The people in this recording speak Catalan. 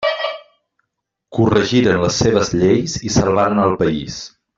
Corregiren les seves lleis i salvaren el país.